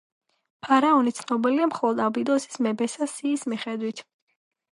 ფარაონი ცნობილია მხოლოდ აბიდოსის მეფეთა სიის მიხედვით.